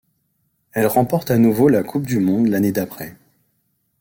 Elle remporte à nouveau la coupe du monde l'année d'après.